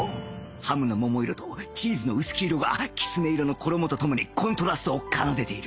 ハムの桃色とチーズの薄黄色がきつね色の衣とともにコントラストを奏でている